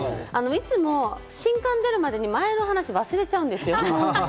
いつも新刊が出るまでに前の話を忘れちゃうんですよ。